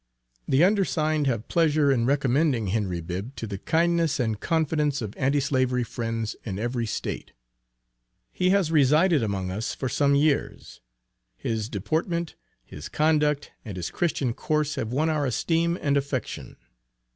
The undersigned have pleasure in recommending Henry Bibb to the kindness and confidence of Anti slavery friends in every State. He has resided among us for some years. His deportment, his conduct, and his Christian course have won our esteem and affection.